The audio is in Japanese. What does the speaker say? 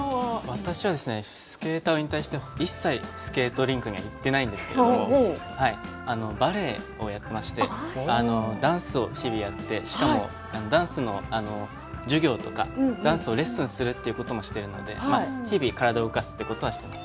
私はスケーターを引退して一切、スケートリンクには乗っていないんですけれどもバレエをやっていましてダンスを日々やって、しかもダンスの授業とかダンスのレッスンをするということもしているので日々体を動かすということはしています。